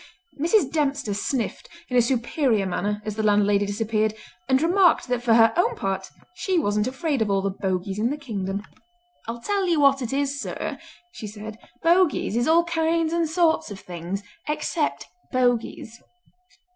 Mrs. Dempster sniffed in a superior manner as the landlady disappeared, and remarked that for her own part she wasn't afraid of all the bogies in the kingdom. "I'll tell you what it is, sir," she said; "bogies is all kinds and sorts of things—except bogies!